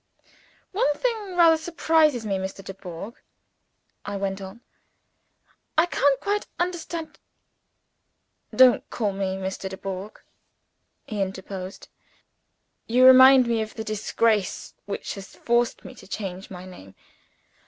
"One thing rather surprises me, Mr. Dubourg," I went on. "I can't quite understand " "Don't call me Mr. Dubourg," he interposed. "You remind me of the disgrace which has forced me to change my name.